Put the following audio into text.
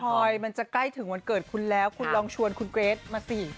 พอยมันจะใกล้ถึงวันเกิดคุณแล้วคุณลองชวนคุณเกรทมาสิ